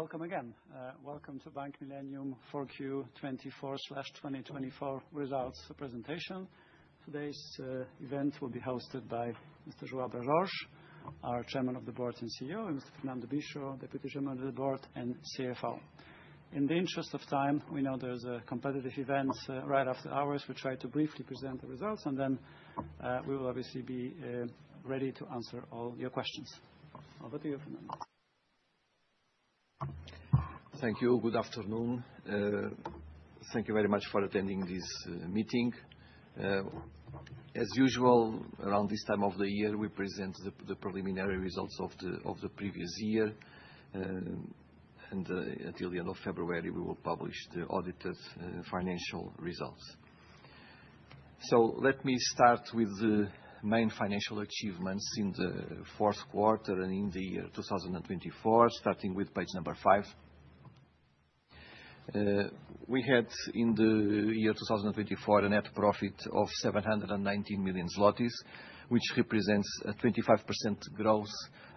Welcome again. Welcome to Bank Millennium for Q4 2024 results presentation. Today's event will be hosted by Mr. Joao Bras Jorge, our Chairman of the Board and CEO, and Mr. Fernando Bicho, Deputy Chairman of the Board and CFO. In the interest of time, we know there's a competitive event right after hours. We try to briefly present the results, and then we will obviously be ready to answer all your questions. Over to you, Fernando. Thank you. Good afternoon. Thank you very much for attending this meeting. As usual, around this time of the year, we present the preliminary results of the previous year, and until the end of February, we will publish the audited financial results. So let me start with the main financial achievements in the Q4 and in the year 2024, starting with page number five. We had in the year 2024 a net profit of 719 million zlotys, which represents a 25% growth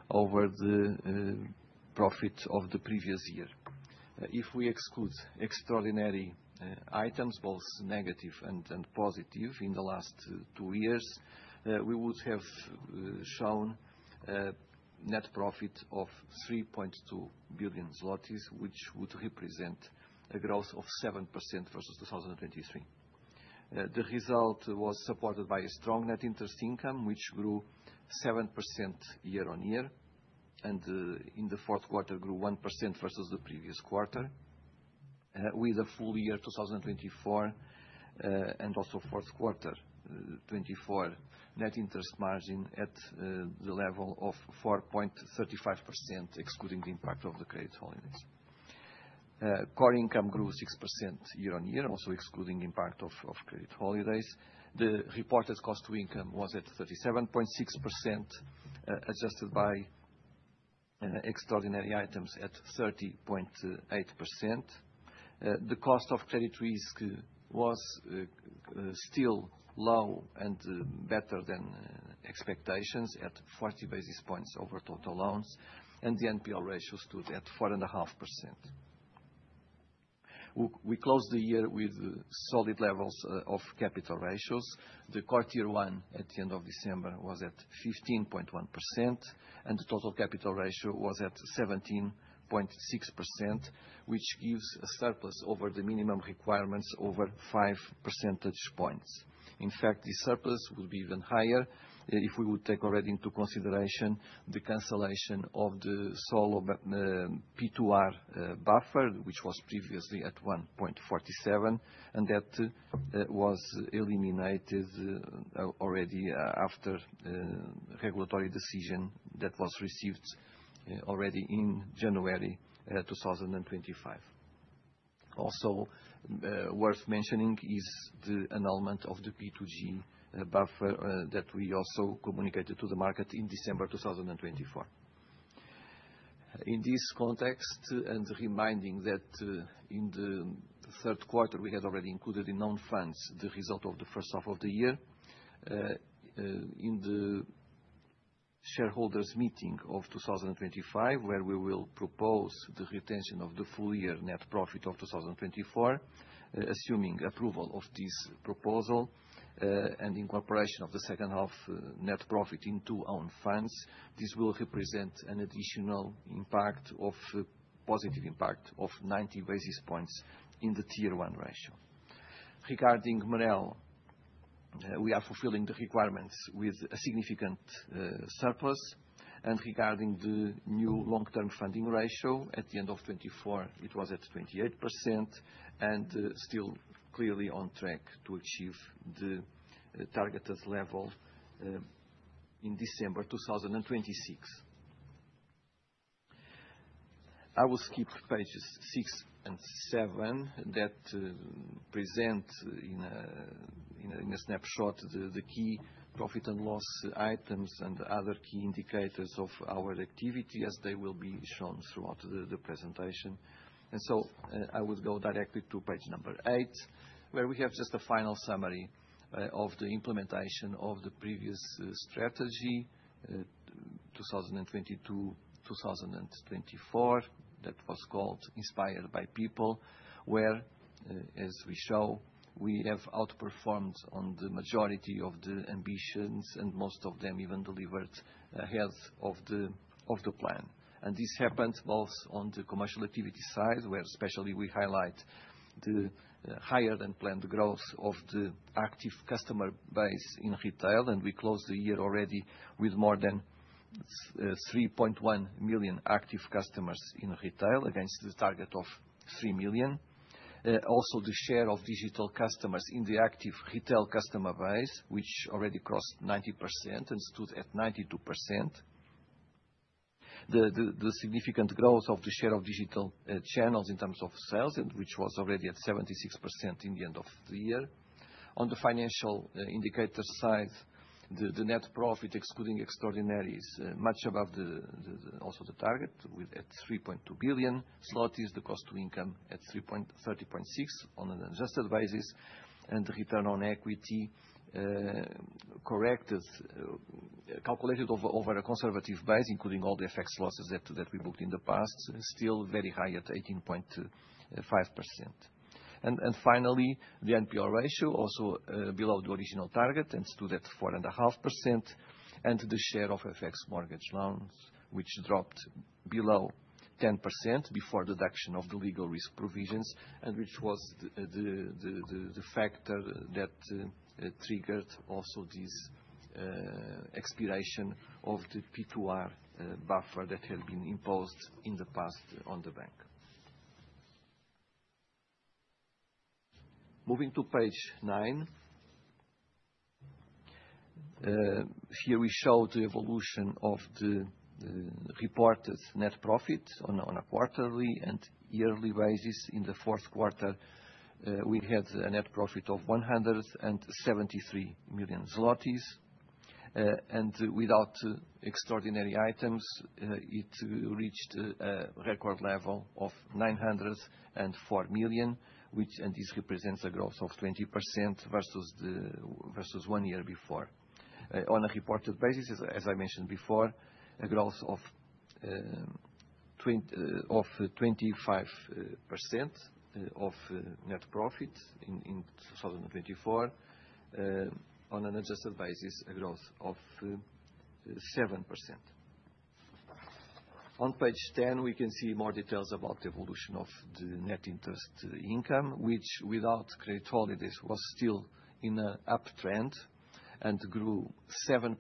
over the profit of the previous year. If we exclude extraordinary items, both negative and positive, in the last two years, we would have shown a net profit of 3.2 billion zlotys, which would represent a growth of 7% versus 2023. The result was supported by a strong net interest income, which grew 7% year on year, and in the Q4 grew 1% versus the previous quarter, with a full year 2024 and also Q4 2024 net interest margin at the level of 4.35%, excluding the impact of the credit holidays. Core income grew 6% year on year, also excluding the impact of the credit holidays. The reported cost to income was at 37.6%, adjusted by extraordinary items at 30.8%. The cost of credit risk was still low and better than expectations at 40 basis points over total loans, and the NPL ratio stood at 4.5%. We closed the year with solid levels of capital ratios. The Tier 1 at the end of December was at 15.1%, and the total capital ratio was at 17.6%, which gives a surplus over the minimum requirements over five percentage points. In fact, the surplus would be even higher if we would take already into consideration the cancellation of the solo P2R buffer, which was previously at 1.47, and that was eliminated already after regulatory decision that was received already in January 2025. Also, worth mentioning is the annulment of the P2G buffer that we also communicated to the market in December 2024. In this context, and reminding that in the Q3, we had already included in own funds the result of the first half of the year. In the shareholders' meeting of 2025, where we will propose the retention of the full year net profit of 2024, assuming approval of this proposal and incorporation of the second half net profit into own funds, this will represent an additional impact of positive impact of 90 basis points in the Tier 1 ratio. Regarding MREL, we are fulfilling the requirements with a significant surplus, and regarding the new long-term funding ratio, at the end of 2024, it was at 28% and still clearly on track to achieve the targeted level in December 2026. I will skip pages six and seven that present in a snapshot the key profit and loss items and other key indicators of our activity, as they will be shown throughout the presentation. So I would go directly to page number eight, where we have just a final summary of the implementation of the previous strategy, 2022-2024, that was called Inspired by People, where, as we show, we have outperformed on the majority of the ambitions and most of them even delivered ahead of the plan. This happened both on the commercial activity side, where especially we highlight the higher than planned growth of the active customer base in retail, and we closed the year already with more than 3.1 million active customers in retail against the target of 3 million. Also, the share of digital customers in the active retail customer base, which already crossed 90% and stood at 92%. The significant growth of the share of digital channels in terms of sales, which was already at 76% in the end of the year. On the financial indicator side, the net profit, excluding extraordinaries, is much above also the target with at 3.2 billion zloty, the cost to income at 3.6 on an adjusted basis, and the return on equity calculated over a conservative base, including all the effects losses that we booked in the past, still very high at 18.5%. Finally, the NPL ratio also below the original target and stood at 4.5%, and the share of FX mortgage loans, which dropped below 10% before deduction of the legal risk provisions, and which was the factor that triggered also this expiration of the P2R buffer that had been imposed in the past on the bank. Moving to page nine, here we show the evolution of the reported net profit on a quarterly and yearly basis. In the Q4, we had a net profit of 173 million zlotys, and without extraordinary items, it reached a record level of 904 million, which represents a growth of 20% versus one year before. On a reported basis, as I mentioned before, a growth of 25% of net profit in 2024, on an adjusted basis, a growth of 7%. On page 10, we can see more details about the evolution of the net interest income, which, without credit holidays, was still in an uptrend and grew 7%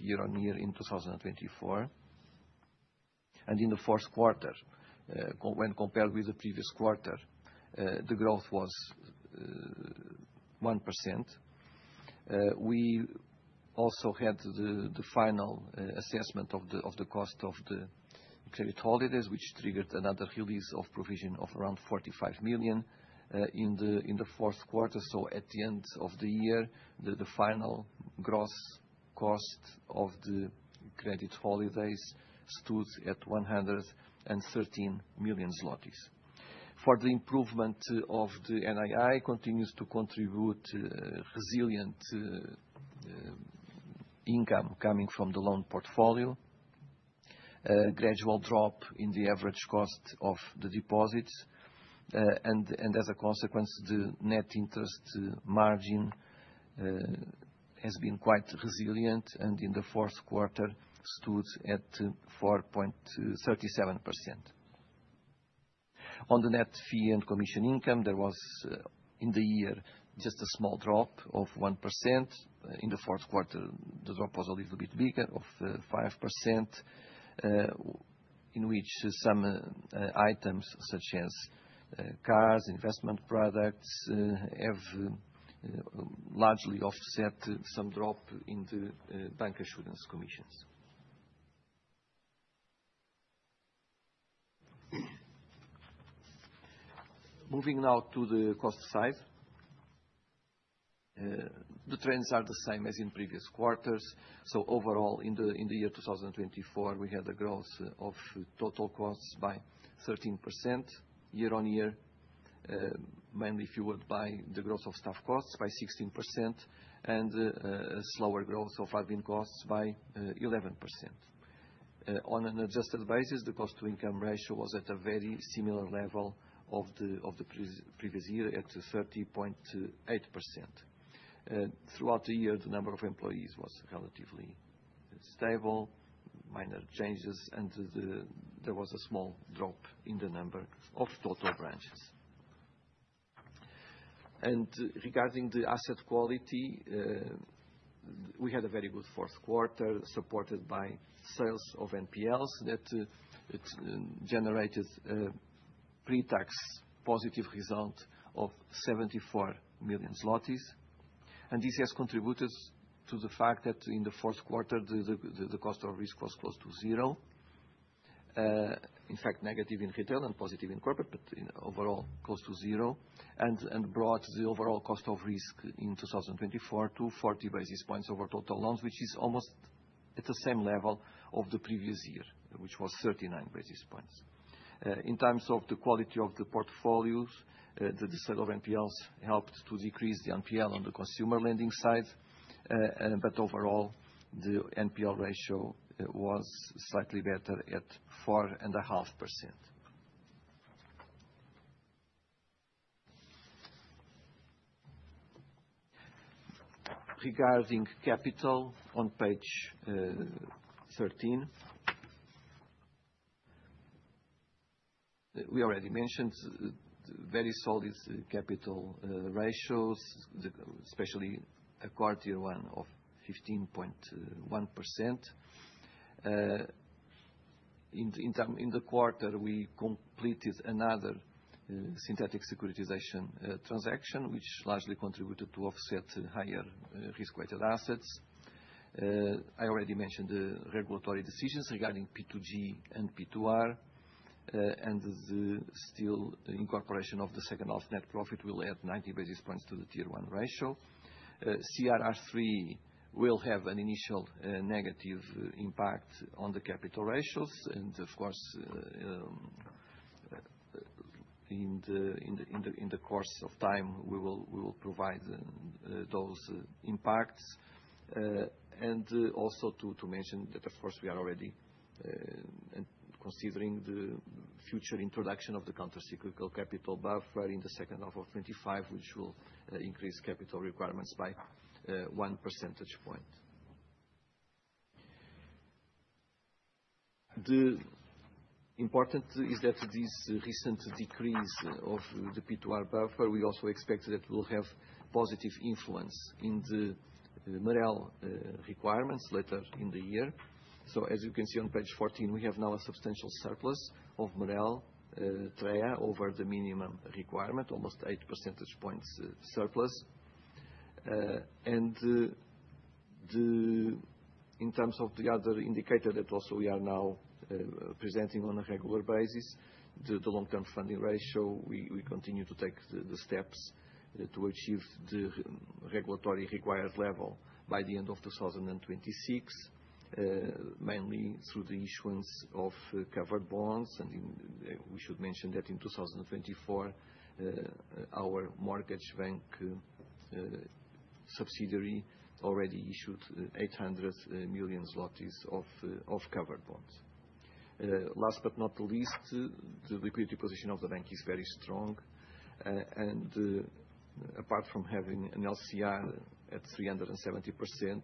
year on year in 2024. And in the Q4, when compared with the previous quarter, the growth was 1%. We also had the final assessment of the cost of the credit holidays, which triggered another release of provision of around 45 million in the Q4. So at the end of the year, the final gross cost of the credit holidays stood at 113 million zlotys. For the improvement of the NII, it continues to contribute resilient income coming from the loan portfolio, a gradual drop in the average cost of the deposits, and as a consequence, the net interest margin has been quite resilient, and in the Q4, stood at 4.37%. On the net fee and commission income, there was in the year just a small drop of 1%. In the Q4, the drop was a little bit bigger of 5%, in which some items such as cars, investment products, have largely offset some drop in the bank assurance commissions. Moving now to the cost side, the trends are the same as in previous quarters. So overall, in the year 2024, we had a growth of total costs by 13% year on year, mainly fueled by the growth of staff costs by 16%, and a slower growth of admin costs by 11%. On an adjusted basis, the cost to income ratio was at a very similar level of the previous year, at 30.8%. Throughout the year, the number of employees was relatively stable, minor changes, and there was a small drop in the number of total branches. Regarding the asset quality, we had a very good Q4 supported by sales of NPLs that generated a pre-tax positive result of 74 million zlotys. This has contributed to the fact that in the Q4, the cost of risk was close to zero, in fact, negative in retail and positive in corporate, but overall close to zero, and brought the overall cost of risk in 2024 to 40 basis points over total loans, which is almost at the same level of the previous year, which was 39 basis points. In terms of the quality of the portfolios, the sale of NPLs helped to decrease the NPL on the consumer lending side, but overall, the NPL ratio was slightly better at 4.5%. Regarding capital on page 13, we already mentioned very solid capital ratios, especially a Tier 1 of 15.1%. In the quarter, we completed another synthetic securitization transaction, which largely contributed to offset higher risk-weighted assets. I already mentioned the regulatory decisions regarding P2G and P2R, and the still incorporation of the second half net profit will add 90 basis points to the tier one ratio. CRR III will have an initial negative impact on the capital ratios, and of course, in the course of time, we will provide those impacts, and also to mention that, of course, we are already considering the future introduction of the countercyclical capital buffer in the second half of 2025, which will increase capital requirements by 1 percentage point. The important is that this recent decrease of the P2R buffer, we also expect that will have positive influence in the MREL requirements later in the year. So as you can see on page 14, we have now a substantial surplus of MREL over the minimum requirement, almost eight percentage points surplus. And in terms of the other indicator that also we are now presenting on a regular basis, the long-term funding ratio, we continue to take the steps to achieve the regulatory required level by the end of 2026, mainly through the issuance of covered bonds. And we should mention that in 2024, our mortgage bank subsidiary already issued 800 million zlotys of covered bonds. Last but not the least, the liquidity position of the bank is very strong. And apart from having an LCR at 370%,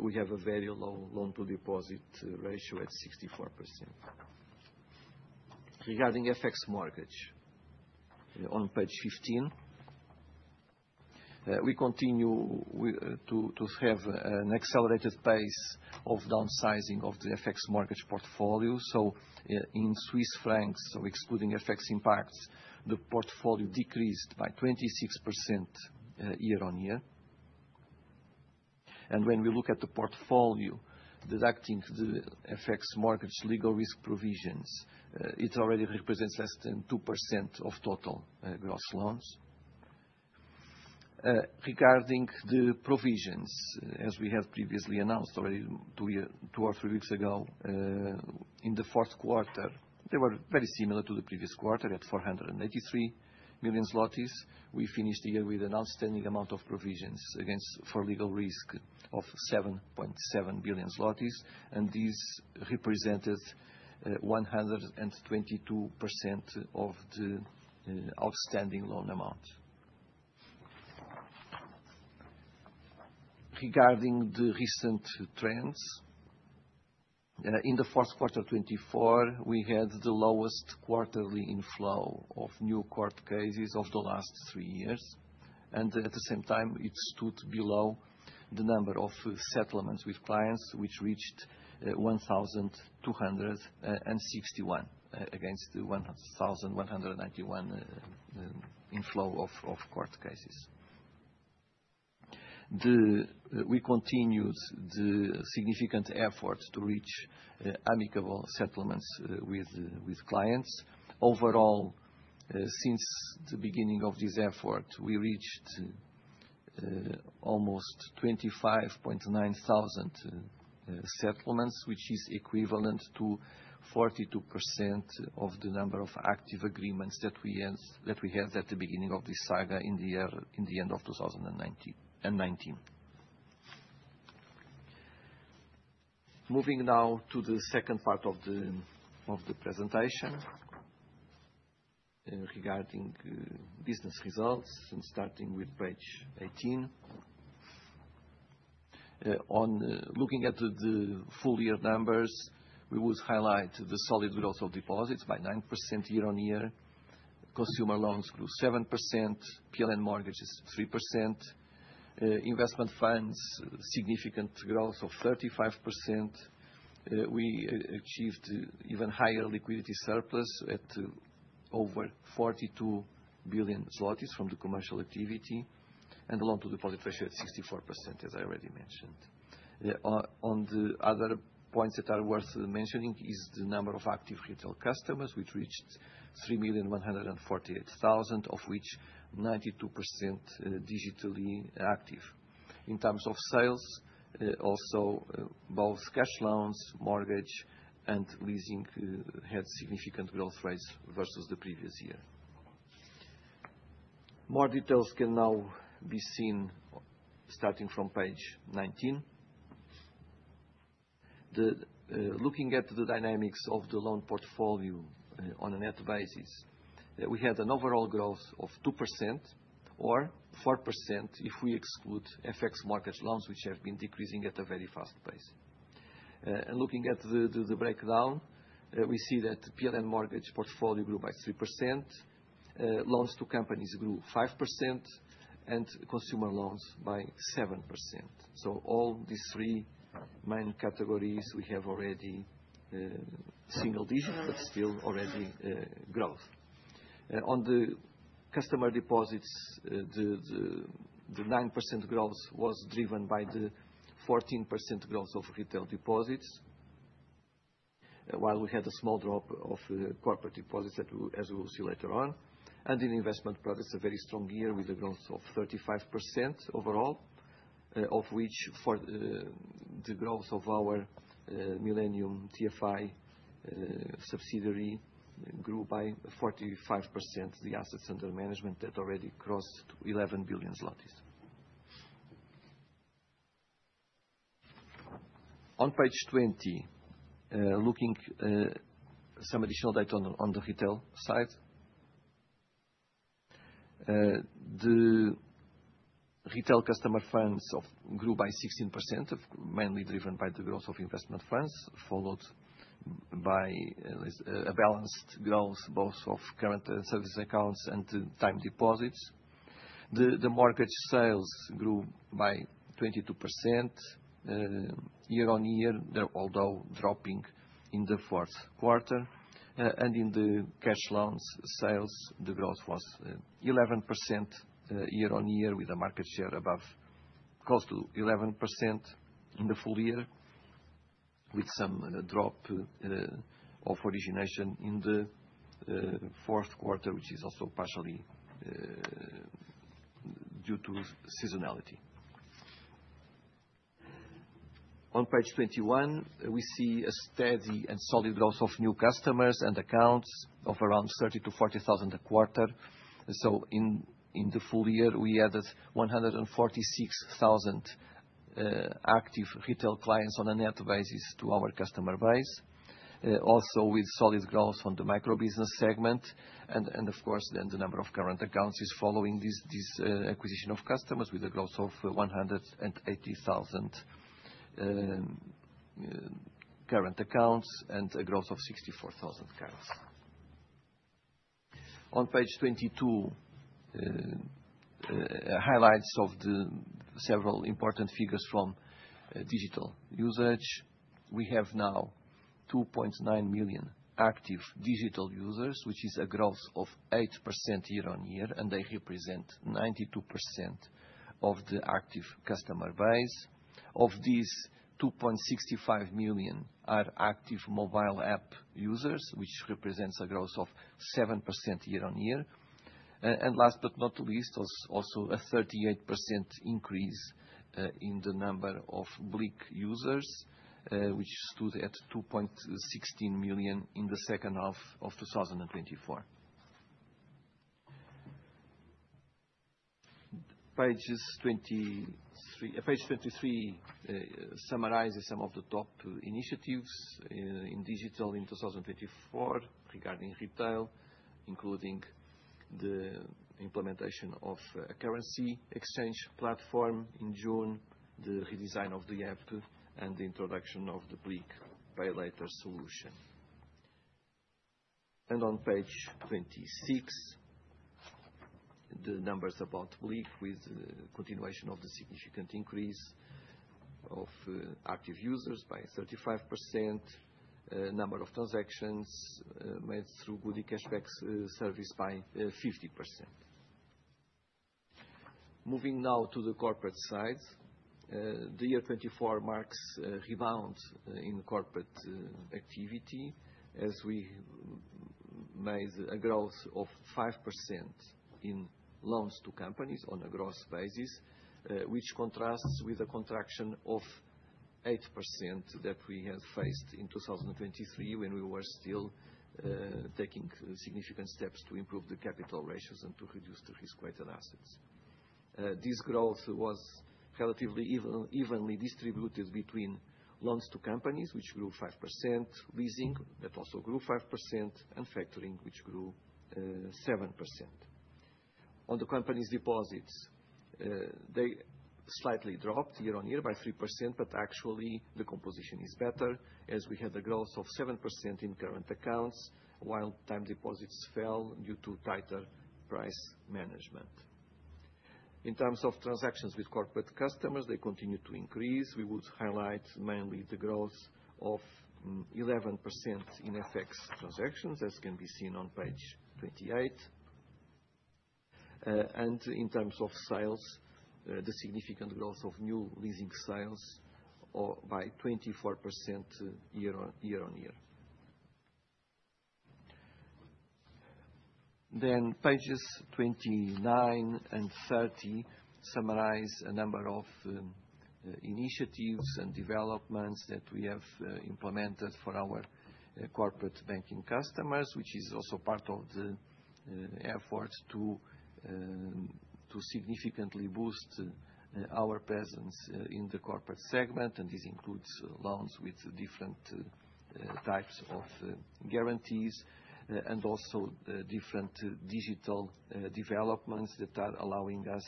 we have a very low loan-to-deposit ratio at 64%. Regarding FX mortgage, on page 15, we continue to have an accelerated pace of downsizing of the FX mortgage portfolio. In Swiss francs, so excluding FX impacts, the portfolio decreased by 26% year on year. When we look at the portfolio, deducting the FX mortgage legal risk provisions, it already represents less than 2% of total gross loans. Regarding the provisions, as we had previously announced already two or three weeks ago, in the Q4, they were very similar to the previous quarter at 483 million zlotys. We finished the year with an outstanding amount of provisions against for legal risk of 7.7 billion zlotys, and this represented 122% of the outstanding loan amount. Regarding the recent trends, in the Q4 2024, we had the lowest quarterly inflow of new court cases of the last three years. At the same time, it stood below the number of settlements with clients, which reached 1,261 against 1,191 inflow of court cases. We continued the significant effort to reach amicable settlements with clients. Overall, since the beginning of this effort, we reached almost 25.9 thousand settlements, which is equivalent to 42% of the number of active agreements that we had at the beginning of this cycle in the end of 2019. Moving now to the second part of the presentation regarding business results, and starting with page 18. Looking at the full year numbers, we would highlight the solid growth of deposits by 9% year on year. Consumer loans grew 7%, PLN mortgages 3%, investment funds significant growth of 35%. We achieved even higher liquidity surplus at over 42 billion zlotys from the commercial activity and the loan-to-deposit ratio at 64%, as I already mentioned. On the other points that are worth mentioning is the number of active retail customers, which reached 3,148,000, of which 92% digitally active. In terms of sales, also both cash loans, mortgage, and leasing had significant growth rates versus the previous year. More details can now be seen starting from page 19. Looking at the dynamics of the loan portfolio on a net basis, we had an overall growth of 2% or 4% if we exclude FX mortgage loans, which have been decreasing at a very fast pace, and looking at the breakdown, we see that PLN mortgage portfolio grew by 3%, loans to companies grew 5%, and consumer loans by 7%, so all these three main categories we have already single digit, but still already growth. On the customer deposits, the 9% growth was driven by the 14% growth of retail deposits, while we had a small drop of corporate deposits as we will see later on. In investment products, a very strong year with a growth of 35% overall, of which the growth of our Millennium TFI subsidiary grew by 45%, the assets under management that already crossed 11 billion zlotys. On page 20, looking at some additional data on the retail side, the retail customer funds grew by 16%, mainly driven by the growth of investment funds, followed by a balanced growth both of current service accounts and time deposits. The mortgage sales grew by 22% year on year, although dropping in the Q4. In the cash loans sales, the growth was 11% year on year, with a market share above close to 11% in the full year, with some drop of origination in the Q4, which is also partially due to seasonality. On page 21, we see a steady and solid growth of new customers and accounts of around 30-40 thousand a quarter, so in the full year, we added 146,000 active retail clients on a net basis to our customer base, also with solid growth on the microbusiness segment, and of course, then the number of current accounts is following this acquisition of customers with a growth of 180,000 current accounts and a growth of 64,000 currents. On page 22, highlights of several important figures from digital usage. We have now 2.9 million active digital users, which is a growth of 8% year on year, and they represent 92% of the active customer base. Of these, 2.65 million are active mobile app users, which represents a growth of 7% year on year. Last but not least, also a 38% increase in the number of BLIK users, which stood at 2.16 million in the second half of 2024. Page 23 summarizes some of the top initiatives in digital in 2024 regarding retail, including the implementation of a currency exchange platform in June, the redesign of the app, and the introduction of the BLIK paylater solution. On page 26, the numbers about BLIK with continuation of the significant increase of active users by 35%, number of transactions made through Goodie Cashback service by 50%. Moving now to the corporate side, the year 2024 marks a rebound in corporate activity as we made a growth of 5% in loans to companies on a gross basis, which contrasts with a contraction of 8% that we had faced in 2023 when we were still taking significant steps to improve the capital ratios and to reduce the risk-weighted assets. This growth was relatively evenly distributed between loans to companies, which grew 5%, leasing that also grew 5%, and factoring, which grew 7%. On the companies' deposits, they slightly dropped year on year by 3%, but actually the composition is better as we had a growth of 7% in current accounts while time deposits fell due to tighter price management. In terms of transactions with corporate customers, they continue to increase. We would highlight mainly the growth of 11% in FX transactions as can be seen on page 28. And in terms of sales, the significant growth of new leasing sales by 24% year on year. Then pages 29 and 30 summarize a number of initiatives and developments that we have implemented for our corporate banking customers, which is also part of the effort to significantly boost our presence in the corporate segment. And this includes loans with different types of guarantees and also different digital developments that are allowing us,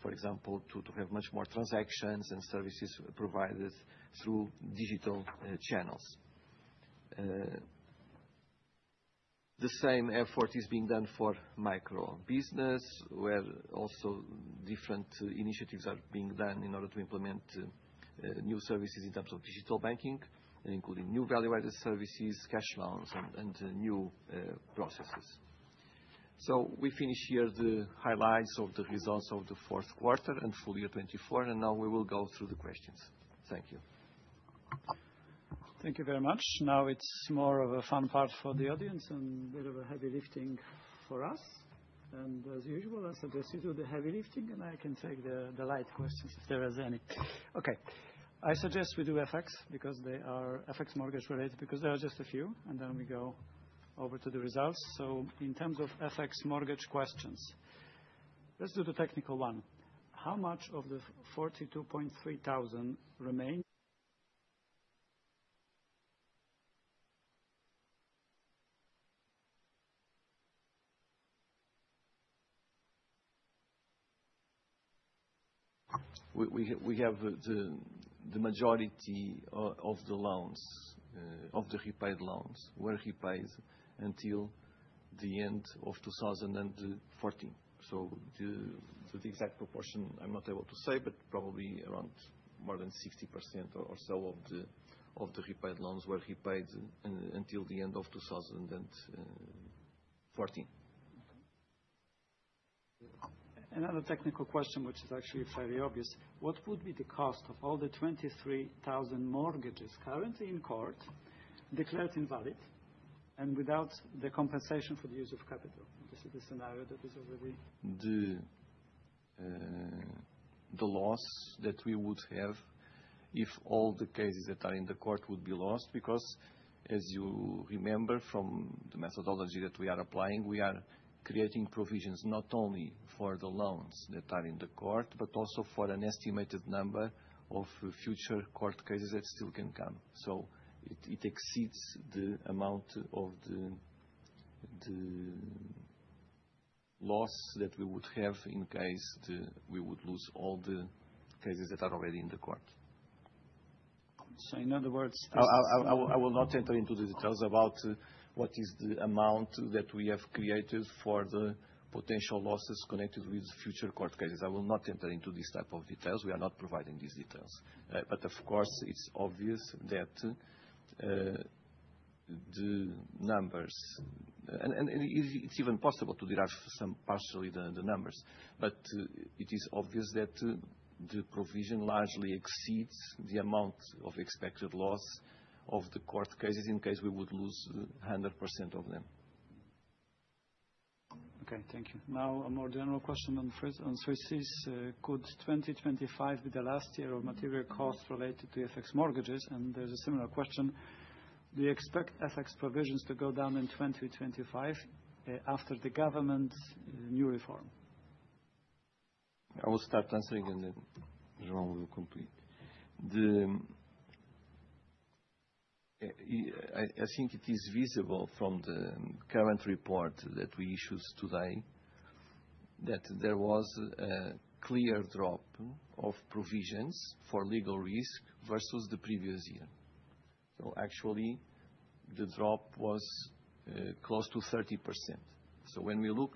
for example, to have much more transactions and services provided through digital channels. The same effort is being done for microbusiness, where also different initiatives are being done in order to implement new services in terms of digital banking, including new value-added services, cash loans, and new processes. So we finish here the highlights of the results of the Q4 and full year 2024. And now we will go through the questions. Thank you. Thank you very much. Now it's more of a fun part for the audience and a bit of a heavy lifting for us. And as usual, I suggest you do the heavy lifting and I can take the light questions if there are any. Okay. I suggest we do FX because they are FX mortgage related because there are just a few. And then we go over to the results. So in terms of FX mortgage questions, let's do the technical one. How much of the 42.3 thousand remain? We have the majority of the loans, of the repaid loans, were repaid until the end of 2014. So the exact proportion I'm not able to say, but probably around more than 60% or so of the repaid loans were repaid until the end of 2014. Another technical question, which is actually fairly obvious. What would be the cost of all the 23,000 mortgages currently in court declared invalid and without the compensation for the use of capital? This is the scenario that is already. The loss that we would have if all the cases that are in the court would be lost because, as you remember from the methodology that we are applying, we are creating provisions not only for the loans that are in the court, but also for an estimated number of future court cases that still can come. So it exceeds the amount of the loss that we would have in case we would lose all the cases that are already in the court. So in other words. I will not enter into the details about what is the amount that we have created for the potential losses connected with future court cases. I will not enter into this type of details. We are not providing these details. But of course, it's obvious that the numbers and it's even possible to derive some partially the numbers, but it is obvious that the provision largely exceeds the amount of expected loss of the court cases in case we would lose 100% of them. Okay. Thank you. Now a more general question on the answer is, could 2025 be the last year of material costs related to FX mortgages? And there's a similar question. Do you expect FX provisions to go down in 2025 after the government's new reform? I will start answering and then João will complete. I think it is visible from the current report that we issued today that there was a clear drop of provisions for legal risk versus the previous year. So actually, the drop was close to 30%. So when we look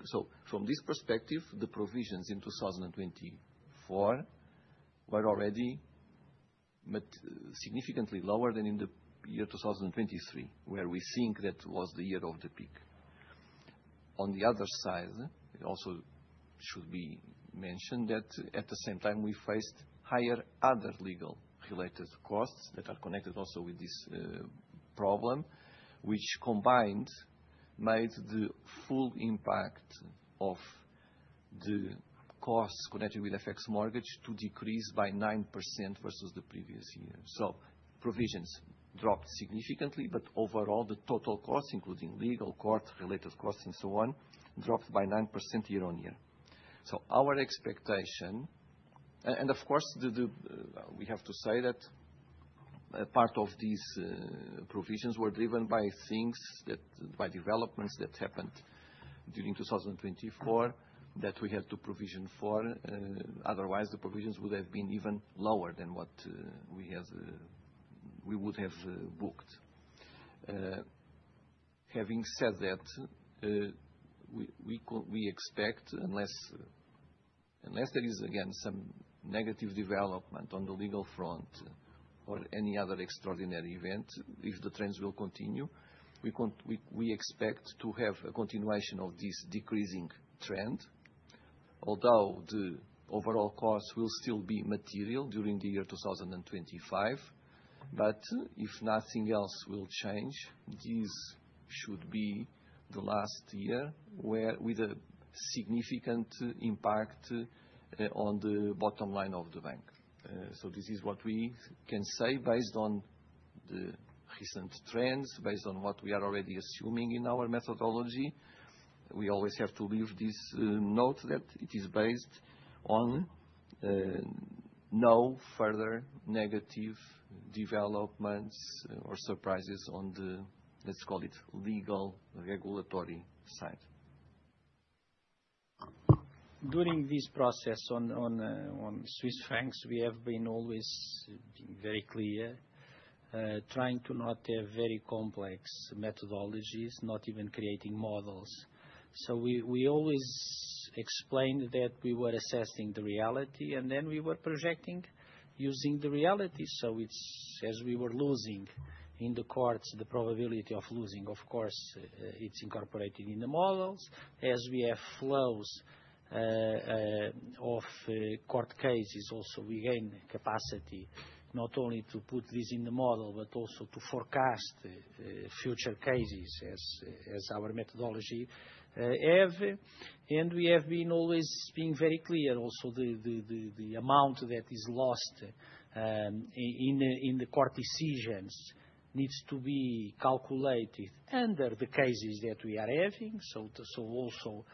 from this perspective, the provisions in 2024 were already significantly lower than in the year 2023, where we think that was the year of the peak. On the other side, it also should be mentioned that at the same time, we faced higher other legal-related costs that are connected also with this problem, which combined made the full impact of the costs connected with FX mortgage to decrease by 9% versus the previous year. So provisions dropped significantly, but overall, the total cost, including legal, court-related costs, and so on, dropped by 9% year on year. So our expectation, and of course, we have to say that part of these provisions were driven by things, by developments that happened during 2024 that we had to provision for. Otherwise, the provisions would have been even lower than what we would have booked. Having said that, we expect, unless there is again some negative development on the legal front or any other extraordinary event, if the trends will continue, we expect to have a continuation of this decreasing trend, although the overall cost will still be material during the year 2025. But if nothing else will change, this should be the last year with a significant impact on the bottom line of the bank. So this is what we can say based on the recent trends, based on what we are already assuming in our methodology. We always have to leave this note that it is based on no further negative developments or surprises on the, let's call it, legal regulatory side. During this process on Swiss francs, we have been always being very clear, trying to not have very complex methodologies, not even creating models. So we always explained that we were assessing the reality and then we were projecting using the reality. So as we were losing in the courts, the probability of losing, of course, it's incorporated in the models. As we have flows of court cases, also we gain capacity not only to put this in the model, but also to forecast future cases as our methodology have. And we have been always being very clear also the amount that is lost in the court decisions needs to be calculated under the cases that we are having. So also,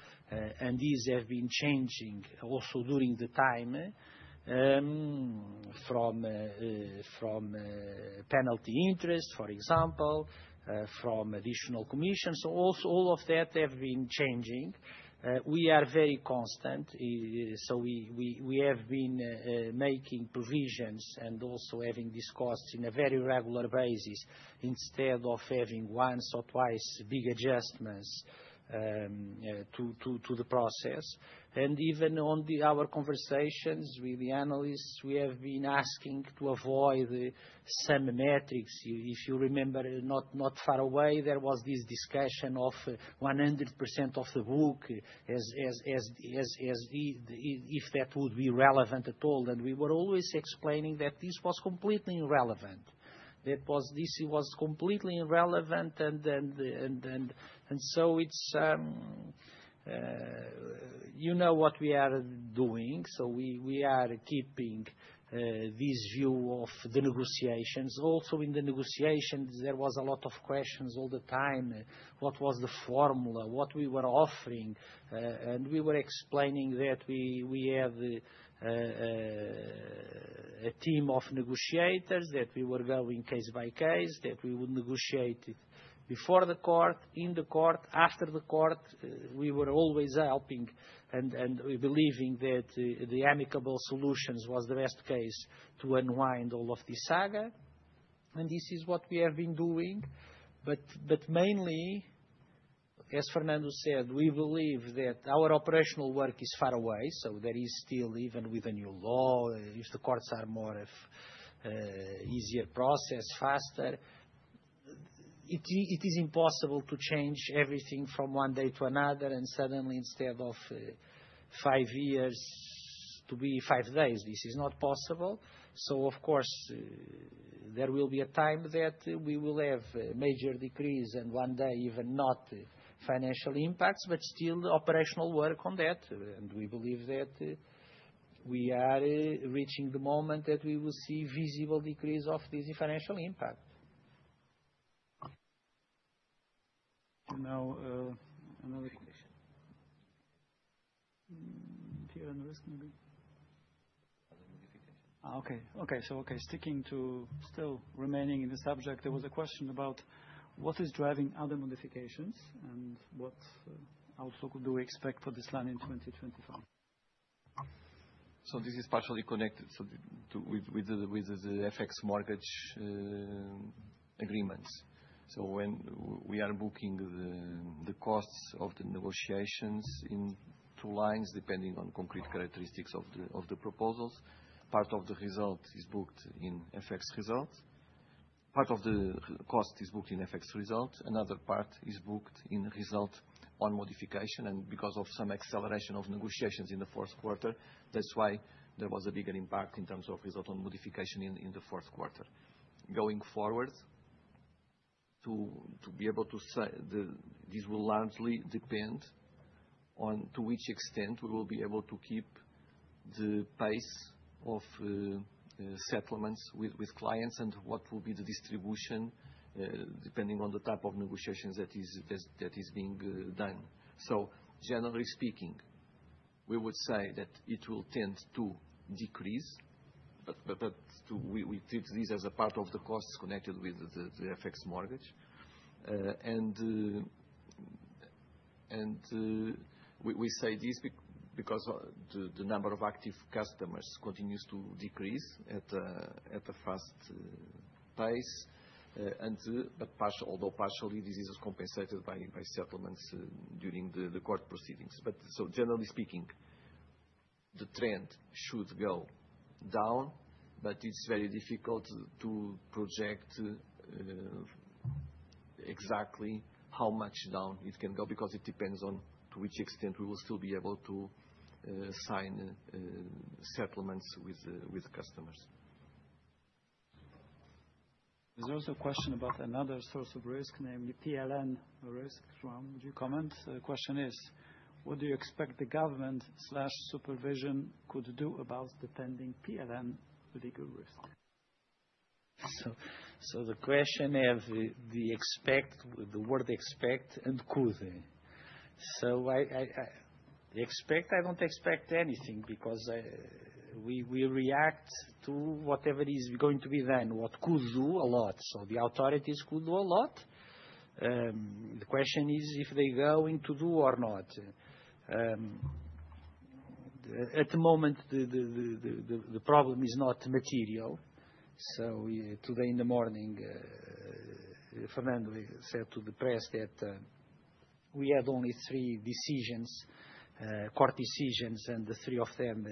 and these have been changing also during the time from penalty interest, for example, from additional commissions. So all of that has been changing. We are very constant. So we have been making provisions and also having these costs on a very regular basis instead of having once or twice big adjustments to the process, and even on our conversations with the analysts, we have been asking to avoid some metrics. If you remember, not far away, there was this discussion of 100% of the book if that would be relevant at all, and we were always explaining that this was completely irrelevant. This was completely irrelevant, and so you know what we are doing, so we are keeping this view of the negotiations. Also in the negotiations, there was a lot of questions all the time. What was the formula? What we were offering? And we were explaining that we had a team of negotiators that we were going case by case, that we would negotiate before the court, in the court, after the court. We were always helping and believing that the amicable solutions were the best case to unwind all of this saga, and this is what we have been doing, but mainly, as Fernando said, we believe that our operational work is far away, so there is still, even with the new law, if the courts are more of an easier process, faster, it is impossible to change everything from one day to another and suddenly, instead of five years to be five days. This is not possible, so of course, there will be a time that we will have a major decrease and one day even not financial impacts, but still operational work on that, and we believe that we are reaching the moment that we will see visible decrease of this financial impact. Now another question. Here on the risk maybe. Other modifications. Sticking to still remaining in the subject, there was a question about what is driving other modifications and what outlook do we expect for this line in 2025? This is partially connected with the FX mortgage agreements. When we are booking the costs of the negotiations in two lines, depending on concrete characteristics of the proposals, part of the result is booked in FX result. Part of the cost is booked in FX result. Another part is booked in result on modification. Because of some acceleration of negotiations in the Q4, that's why there was a bigger impact in terms of result on modification in the Q4. Going forward, to be able to say this will largely depend on to which extent we will be able to keep the pace of settlements with clients and what will be the distribution depending on the type of negotiations that is being done. So generally speaking, we would say that it will tend to decrease, but we treat this as a part of the costs connected with the FX mortgage. And we say this because the number of active customers continues to decrease at a fast pace, but although partially this is compensated by settlements during the court proceedings. But so generally speaking, the trend should go down, but it's very difficult to project exactly how much down it can go because it depends on to which extent we will still be able to sign settlements with customers. There's also a question about another source of risk, namely PLN risk. Joao, would you comment? The question is, what do you expect the government/supervision could do about the pending PLN legal risk? So the question is the word expect and could. So expect, I don't expect anything because we react to whatever is going to be done. What could do a lot. So the authorities could do a lot. The question is if they going to do or not. At the moment, the problem is not material. So today in the morning, Fernando said to the press that we had only three decisions, court decisions, and three of them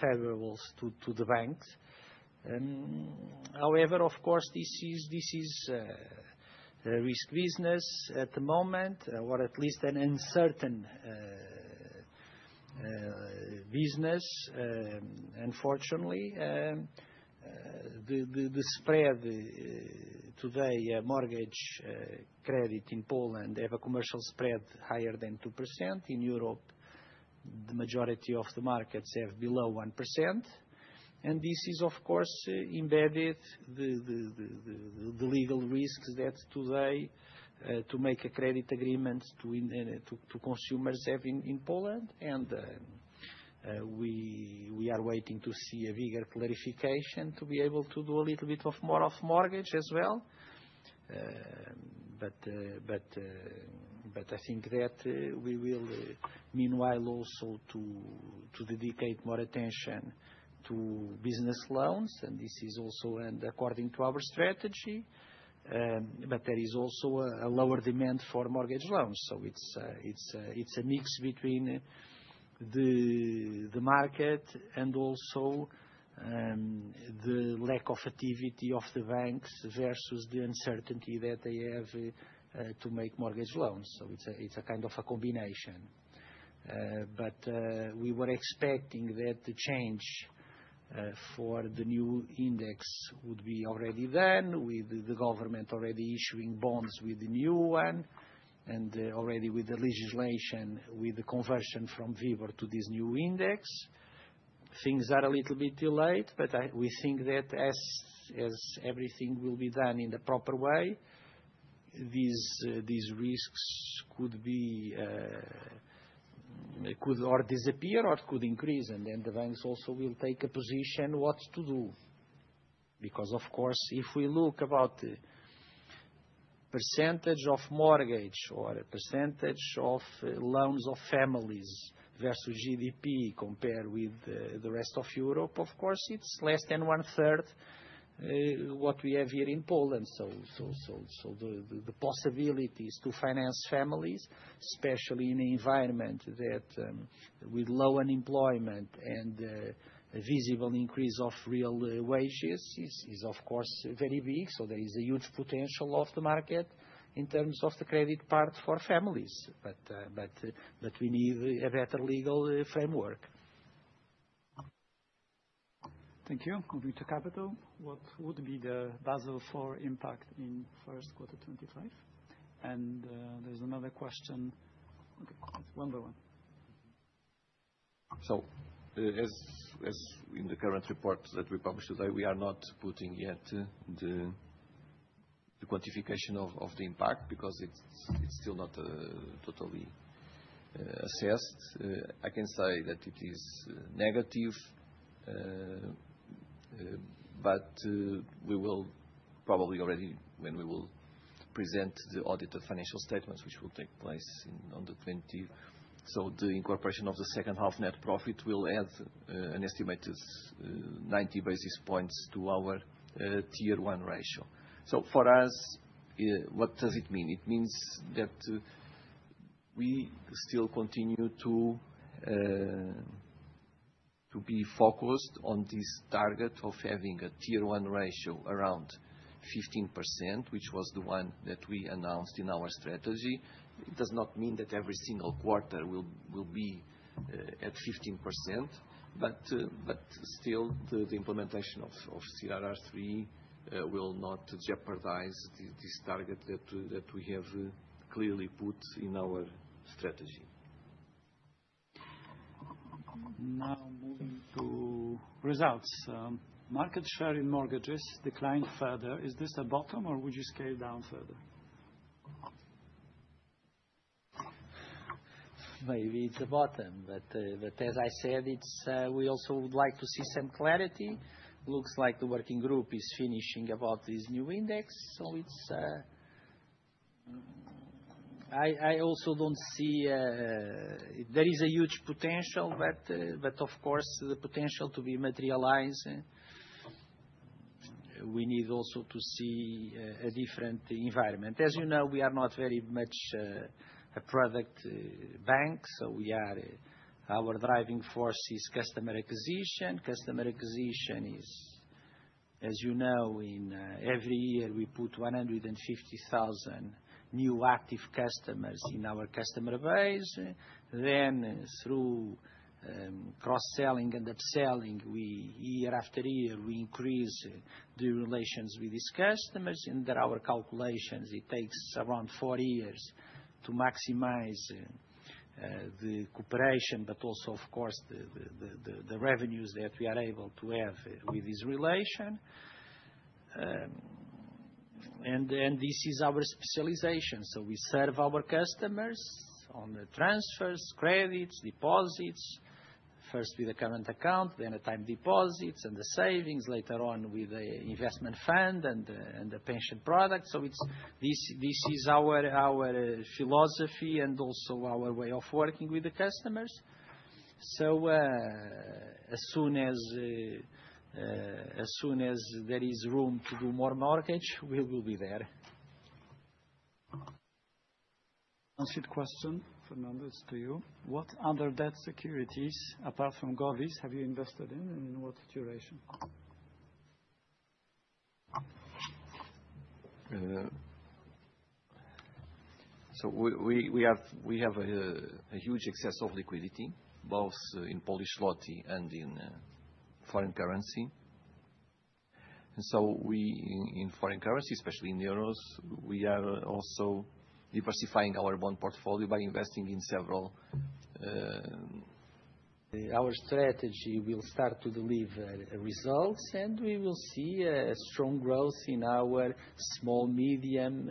favorable to the banks. However, of course, this is a risk business at the moment, or at least an uncertain business, unfortunately. The spread today, mortgage credit in Poland have a commercial spread higher than 2%. In Europe, the majority of the markets have below 1%. And this is, of course, embedded the legal risks that today to make a credit agreement to consumers have in Poland. And we are waiting to see a bigger clarification to be able to do a little bit more of mortgage as well. But I think that we will meanwhile also to dedicate more attention to business loans. And this is also according to our strategy. But there is also a lower demand for mortgage loans. So it's a mix between the market and also the lack of activity of the banks versus the uncertainty that they have to make mortgage loans. So it's a kind of a combination. But we were expecting that the change for the new index would be already done with the government already issuing bonds with the new one and already with the legislation with the conversion from WIBOR to this new index. Things are a little bit delayed, but we think that as everything will be done in the proper way, these risks could disappear or could increase. And then the banks also will take a position what to do. Because of course, if we look about the percentage of mortgage or percentage of loans of families versus GDP compared with the rest of Europe, of course, it's less than one third what we have here in Poland. So the possibilities to finance families, especially in an environment that with low unemployment and a visible increase of real wages is, of course, very big. So there is a huge potential of the market in terms of the credit part for families. But we need a better legal framework. Thank you. Moving to capital. What would be the Basel IV impact in Q1 2025? And there's another question. Okay. One by one. As in the current report that we published today, we are not putting yet the quantification of the impact because it's still not totally assessed. I can say that it is negative, but we will probably already when we will present the audit of financial statements, which will take place on the 20th. So the incorporation of the second half net profit will add an estimated 90 basis points to our Tier 1 ratio. So for us, what does it mean? It means that we still continue to be focused on this target of having a Tier 1 ratio around 15%, which was the one that we announced in our strategy. It does not mean that every single quarter will be at 15%, but still the implementation of CRR III will not jeopardize this target that we have clearly put in our strategy. Now moving to results. Market share in mortgages declined further. Is this a bottom or would you scale down further? Maybe it's a bottom, but as I said, we also would like to see some clarity. Looks like the working group is finishing about this new index. So I also don't see there is a huge potential, but of course, the potential to be materialized. We need also to see a different environment. As you know, we are not very much a product bank. So our driving force is customer acquisition. Customer acquisition is, as you know, in every year we put 150,000 new active customers in our customer base. Then through cross-selling and upselling, year after year, we increase the relations with these customers. And there are calculations it takes around four years to maximize the cooperation, but also, of course, the revenues that we are able to have with this relation. And this is our specialization. So we serve our customers on the transfers, credits, deposits, first with a current account, then a time deposits and the savings, later on with the investment fund and the pension product. So this is our philosophy and also our way of working with the customers. So as soon as there is room to do more mortgage, we will be there. Answered question. Fernando, it's to you. What other debt securities, apart from govvies, have you invested in and in what duration? So we have a huge excess of liquidity, both in Polish zloty and in foreign currency. And so in foreign currency, especially in euros, we are also diversifying our bond portfolio by investing in several. Our strategy will start to deliver results, and we will see a strong growth in our small, medium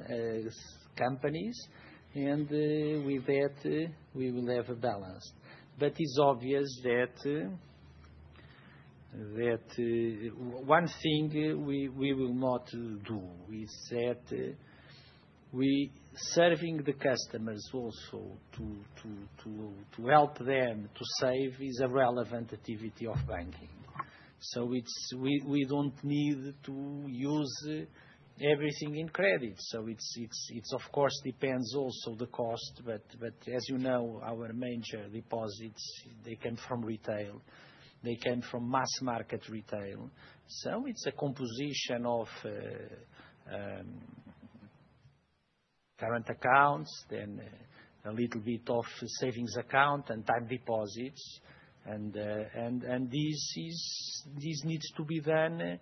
companies. And with that, we will have a balance. But it's obvious that one thing we will not do is that serving the customers also to help them to save is a relevant activity of banking. So we don't need to use everything in credit. So it's, of course, depends also the cost. But as you know, our major deposits, they come from retail. They come from mass market retail. So it's a composition of current accounts, then a little bit of savings account and time deposits. And this needs to be done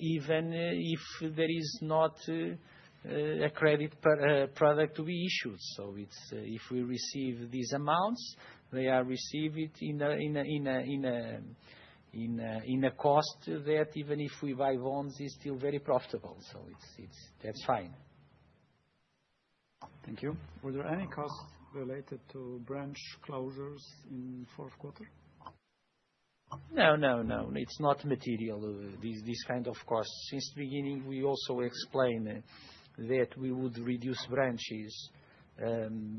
even if there is not a credit product to be issued. So if we receive these amounts, they are received in a cost that even if we buy bonds, it's still very profitable. So that's fine. Thank you. Were there any costs related to branch closures in Q4? No, no, no. It's not material, this kind of cost. Since the beginning, we also explained that we would reduce branches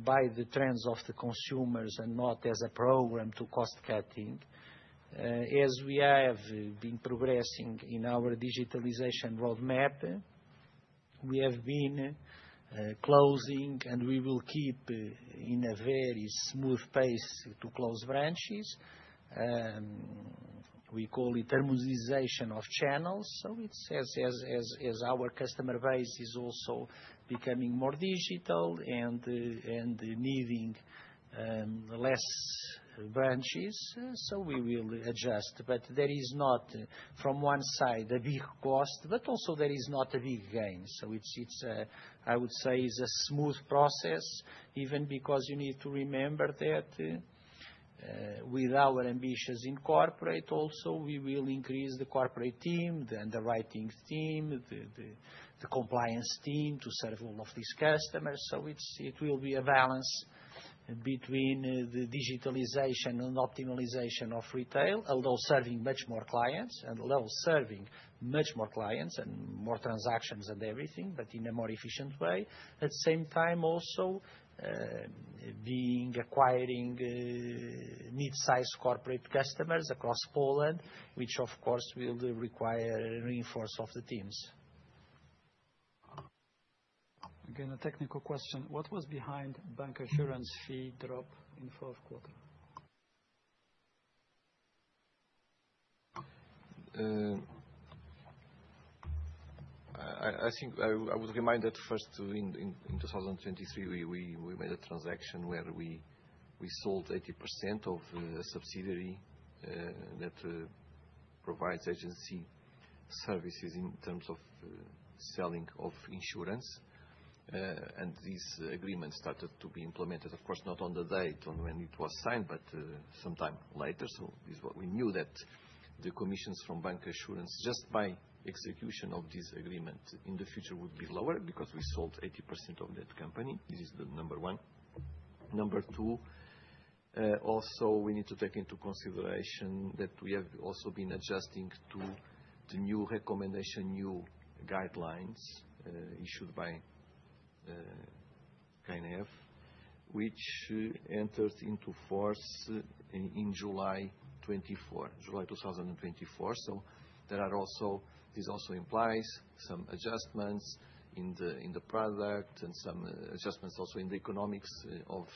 by the trends of the consumers and not as a program to cost cutting. As we have been progressing in our digitalization roadmap, we have been closing, and we will keep in a very smooth pace to close branches. We call it harmonization of channels. So it's as our customer base is also becoming more digital and needing less branches, so we will adjust. But there is not, from one side, a big cost, but also there is not a big gain. So I would say it's a smooth process, even because you need to remember that with our ambitions in corporate, also we will increase the corporate team, the underwriting team, the compliance team to serve all of these customers. So it will be a balance between the digitalization and optimization of retail, although serving much more clients and allow serving much more clients and more transactions and everything, but in a more efficient way. At the same time, also being acquiring mid-size corporate customers across Poland, which of course will require reinforcing of the teams. Again, a technical question. What was behind bancassurance fee drop in Q4? I think I would remind that first in 2023, we made a transaction where we sold 80% of a subsidiary that provides agency services in terms of selling of insurance. And this agreement started to be implemented, of course, not on the date on when it was signed, but sometime later. So we knew that the commissions from bank assurance just by execution of this agreement in the future would be lower because we sold 80% of that company. This is the number one. Number two, also we need to take into consideration that we have also been adjusting to the new recommendation, new guidelines issued by KNF, which entered into force in July 24, July 2024. So there are also this also implies some adjustments in the product and some adjustments also in the economics of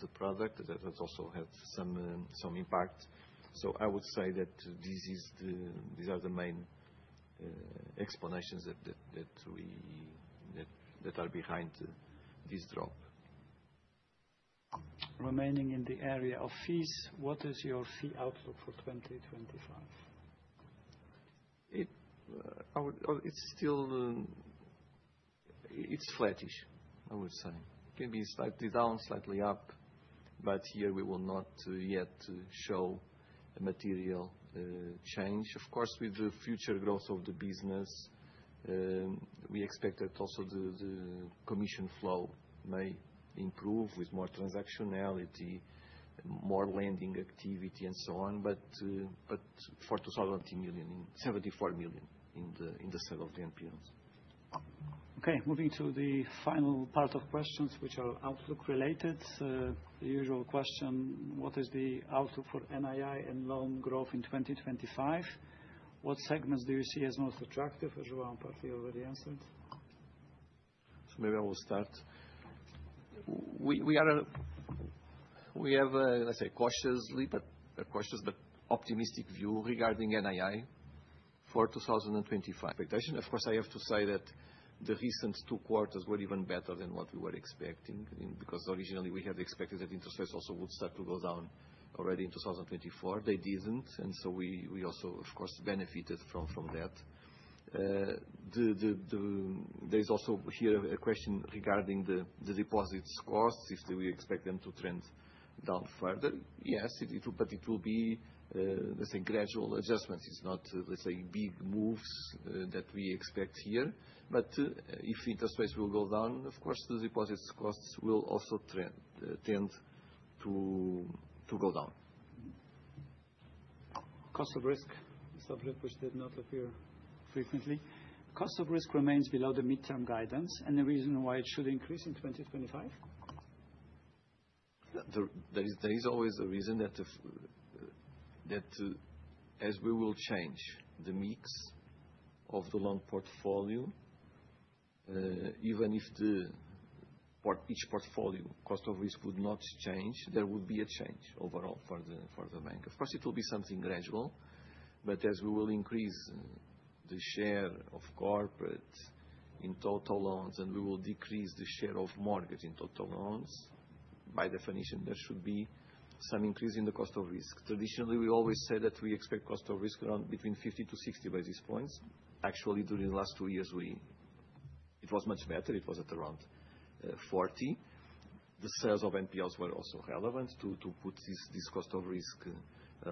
the product that has also had some impact. So I would say that these are the main explanations that are behind this drop. Remaining in the area of fees, what is your fee outlook for 2025? It's still flattish, I would say. It can be slightly down, slightly up, but here we will not yet show a material change. Of course, with the future growth of the business, we expect that also the commission flow may improve with more transactionality, more lending activity, and so on. But for 207.4 million in the sale of the NPLs. Okay. Moving to the final part of questions, which are outlook related. The usual question, what is the outlook for NII and loan growth in 2025? What segments do you see as most attractive? As Joao and Fernando already answered. So maybe I will start. We have a, let's say, cautious but optimistic view regarding NII for 2025. Expectation. Of course, I have to say that the recent two quarters were even better than what we were expecting because originally we had expected that interest rates also would start to go down already in 2024. They didn't. And so we also, of course, benefited from that. There is also here a question regarding the deposits costs. If we expect them to trend down further, yes, but it will be, let's say, gradual adjustments. It's not, let's say, big moves that we expect here. But if interest rates will go down, of course, the deposits costs will also tend to go down. Cost of risk. Mr. Bicho did not appear frequently. Cost of risk remains below the mid-term guidance. Any reason why it should increase in 2025? There is always a reason that as we will change the mix of the loan portfolio, even if each portfolio cost of risk would not change, there would be a change overall for the bank. Of course, it will be something gradual. But as we will increase the share of corporate in total loans and we will decrease the share of mortgage in total loans, by definition, there should be some increase in the cost of risk. Traditionally, we always say that we expect cost of risk around between 50 to 60 basis points. Actually, during the last two years, it was much better. It was at around 40. The sales of NPLs were also relevant to put this cost of risk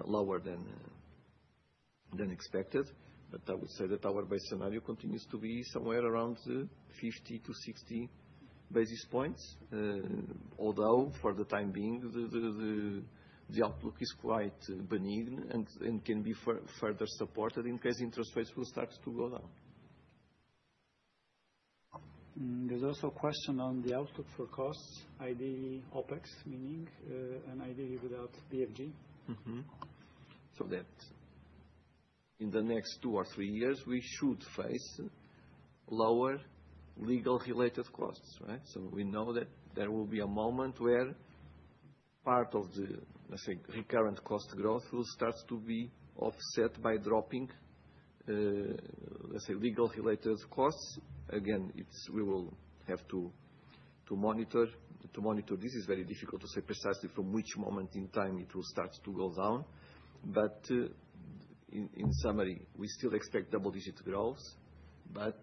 lower than expected. But I would say that our base scenario continues to be somewhere around 50-60 basis points, although for the time being, the outlook is quite benign and can be further supported in case interest rates will start to go down. There's also a question on the outlook for costs, IDE, OpEx, meaning an IDE without BFG. So that in the next two or three years, we should face lower legal-related costs, right? So we know that there will be a moment where part of the, let's say, recurrent cost growth will start to be offset by dropping, let's say, legal-related costs. Again, we will have to monitor. This is very difficult to say precisely from which moment in time it will start to go down. But in summary, we still expect double-digit growth. But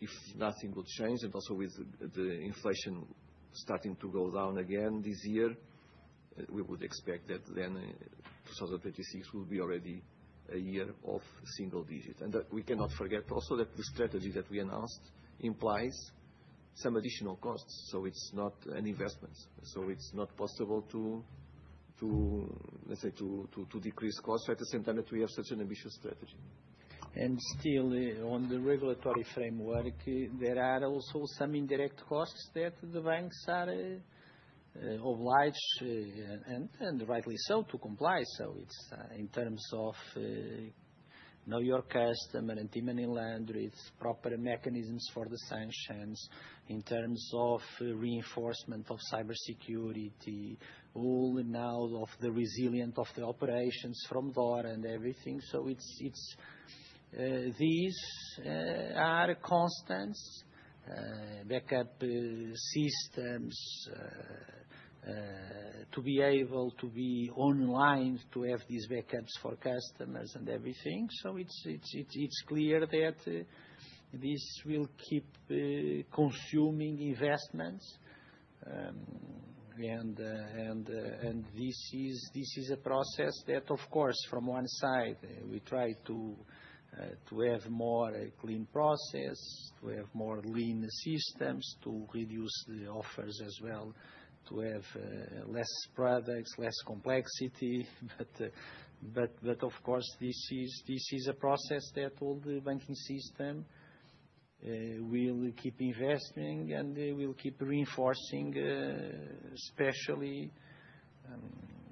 if nothing would change, and also with the inflation starting to go down again this year, we would expect that then 2026 will be already a year of single digit. And we cannot forget also that the strategy that we announced implies some additional costs. So it's not an investment. So it's not possible to, let's say, to decrease costs at the same time that we have such an ambitious strategy. Still, on the regulatory framework, there are also some indirect costs that the banks are obliged, and rightly so, to comply. It's in terms of know your customer and AML, and then it's proper mechanisms for the sanctions in terms of reinforcement of cybersecurity, along with the resilience of the operations from DORA and everything. These are constants, backup systems to be able to be online to have these backups for customers and everything. It's clear that this will keep consuming investments. This is a process that, of course, from one side, we try to have more clean process, to have more lean systems, to reduce the offers as well, to have less products, less complexity. But of course, this is a process that all the banking system will keep investing and will keep reinforcing, especially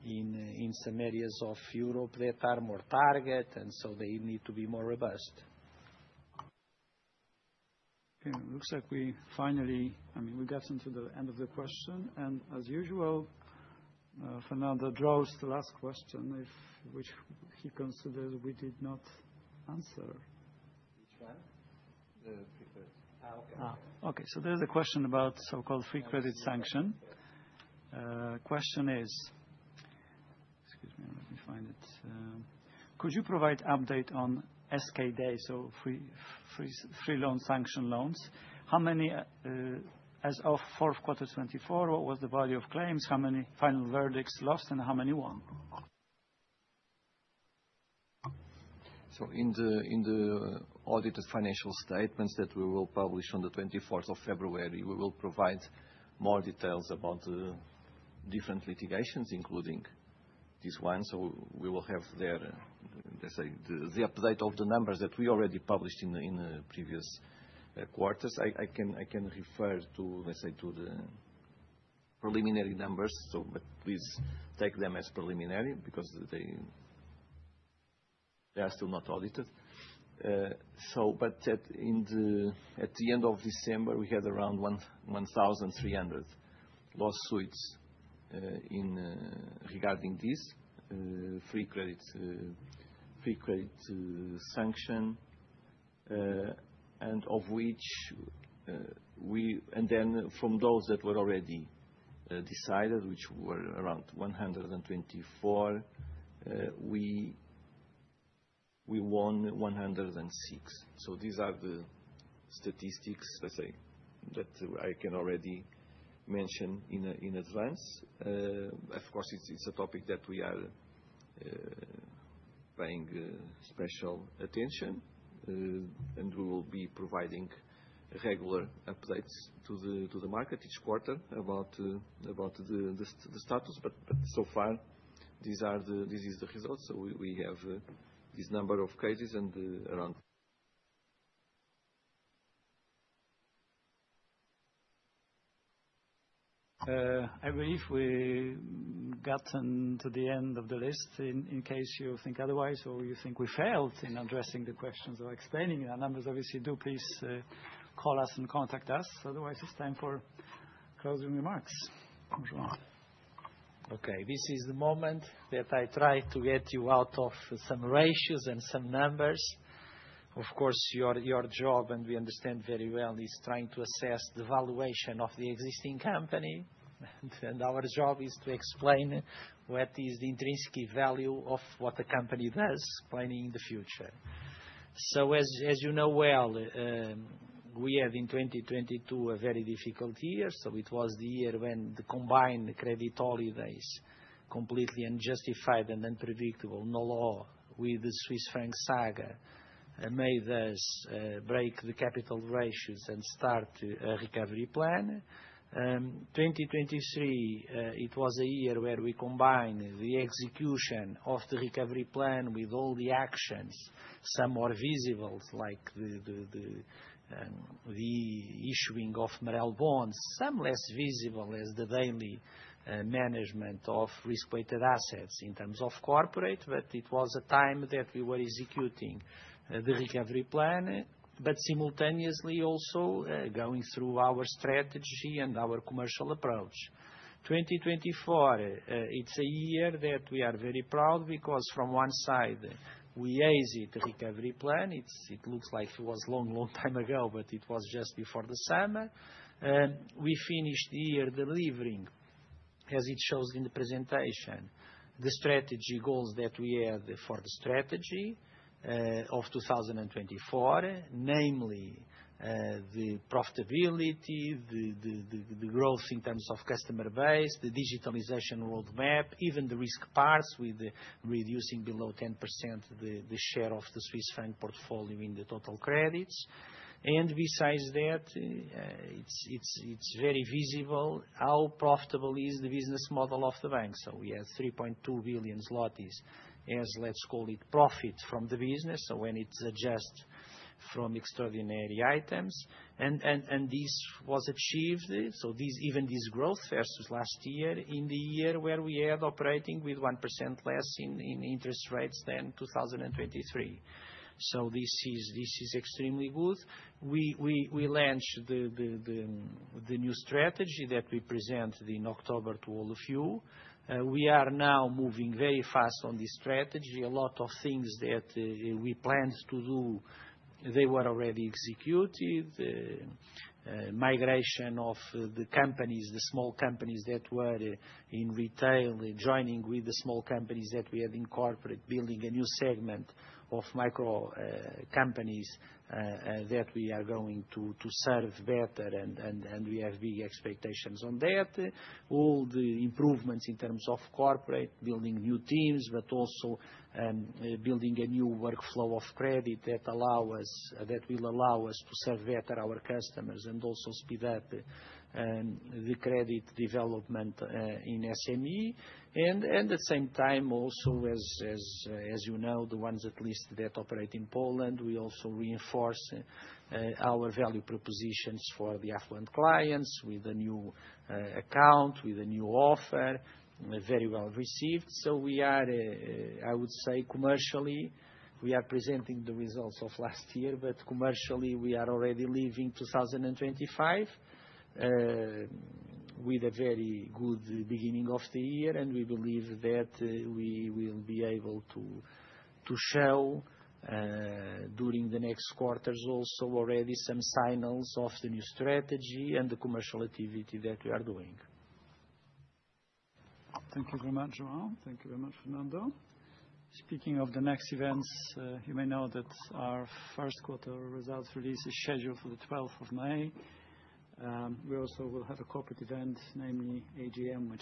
in some areas of Europe that are more targeted, and so they need to be more robust. Okay. It looks like we finally, I mean, we got into the end of the question, and as usual, Fernando draws the last question, which he considered we did not answer. Which one? The preferred. Okay. Okay. So there's a question about so-called free credit sanction. Question is, excuse me, let me find it. Could you provide update on SKD, so free credit sanction loans? How many, as of Q4 2024, what was the body of claims? How many final verdicts lost and how many won? In the audited financial statements that we will publish on the 24th of February, we will provide more details about the different litigations, including this one. We will have there, let's say, the update of the numbers that we already published in the previous quarters. I can refer to, let's say, the preliminary numbers, but please take them as preliminary because they are still not audited. At the end of December, we had around 1,300 lawsuits regarding this free credit sanction, and of which, from those that were already decided, which were around 124, we won 106. These are the statistics, let's say, that I can already mention in advance. Of course, it's a topic that we are paying special attention, and we will be providing regular updates to the market each quarter about the status. But so far, this is the result. So we have this number of cases and around. I believe we got to the end of the list. In case you think otherwise or you think we failed in addressing the questions or explaining the numbers, obviously, do please call us and contact us. Otherwise, it's time for closing remarks. Okay. This is the moment that I try to get you out of some ratios and some numbers. Of course, your job, and we understand very well, is trying to assess the valuation of the existing company, and our job is to explain what is the intrinsic value of what the company does planning in the future, so as you know well, we had in 2022 a very difficult year, so it was the year when the combined credit holidays completely unjustified and unpredictable no law with the Swiss franc saga made us break the capital ratios and start a recovery plan. 2023, it was a year where we combined the execution of the recovery plan with all the actions, some more visible, like the issuing of MREL bonds, some less visible as the daily management of risk-weighted assets in terms of corporate. But it was a time that we were executing the recovery plan, but simultaneously also going through our strategy and our commercial approach. 2024, it's a year that we are very proud because from one side, we exit the recovery plan. It looks like it was a long, long time ago, but it was just before the summer. We finished the year delivering, as it shows in the presentation, the strategy goals that we had for the strategy of 2024, namely the profitability, the growth in terms of customer base, the digitalization roadmap, even the risk parts with reducing below 10% the share of the Swiss franc portfolio in the total credits. And besides that, it's very visible how profitable is the business model of the bank. So we had 3.2 billion zlotys as, let's call it, profit from the business. So when it's adjusted from extraordinary items. This was achieved. Even this growth versus last year in the year where we had operating with 1% less in interest rates than 2023. This is extremely good. We launched the new strategy that we presented in October to all of you. We are now moving very fast on this strategy. A lot of things that we planned to do, they were already executed. Migration of the companies, the small companies that were in retail joining with the small companies that we had in corporate, building a new segment of micro companies that we are going to serve better, and we have big expectations on that. All the improvements in terms of corporate, building new teams, but also building a new workflow of credit that will allow us to serve better our customers and also speed up the credit development in SME. At the same time, also as you know, the ones at least that operate in Poland, we also reinforce our value propositions for the affluent clients with a new account, with a new offer, very well received. We are, I would say, commercially, we are presenting the results of last year, but commercially, we are already leaving 2025 with a very good beginning of the year. We believe that we will be able to show during the next quarters also already some signals of the new strategy and the commercial activity that we are doing. Thank you very much, Joao. Thank you very much, Fernando. Speaking of the next events, you may know that our Q1 results release is scheduled for the 12th of May. We also will have a corporate event, namely AGM with.